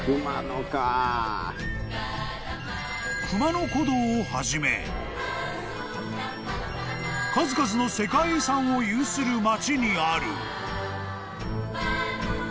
［熊野古道をはじめ数々の世界遺産を有する町にある］